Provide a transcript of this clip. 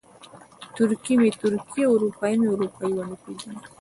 ترکي مې ترکي او اروپایي مې اروپایي ونه پېژني.